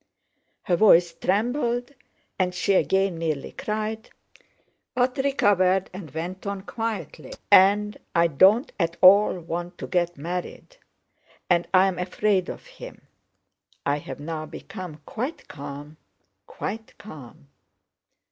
Her voice trembled, and she again nearly cried, but recovered and went on quietly: "And I don't at all want to get married. And I am afraid of him; I have now become quite calm, quite calm."